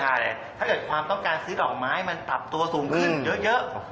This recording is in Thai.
ถ้าเกิดความต้องการซื้อดอกไม้มันปรับตัวสูงขึ้นเยอะ